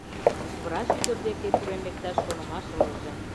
Врач ӱдыр деке пурен лекташ шонымаш ылыже.